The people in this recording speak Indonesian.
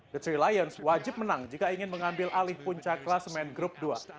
the three lions wajib menang jika ingin mengambil alih puncak kelas main grup dua